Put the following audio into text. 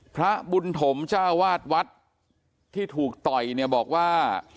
พระบุญถมเจ้าวาดวัดที่ถูกต่อยเนี่ยบอกว่า